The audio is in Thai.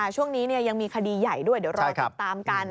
ช่วงนี้ยังมีคดีใหญ่ด้วยเดี๋ยวรอติดตามกัน